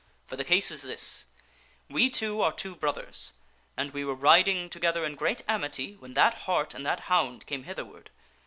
For the case is their story. this : \\T e two are two brothers, and we were riding together in great amity when that hart and that hound came hitherward.